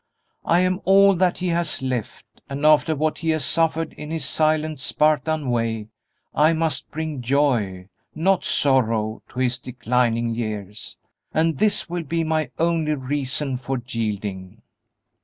I am all that he has left, and after what he has suffered in his silent, Spartan way, I must bring joy not sorrow to his declining years. And this will be my only reason for yielding."